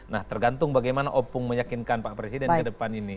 nah tergantung bagaimana opung meyakinkan pak presiden ke depan ini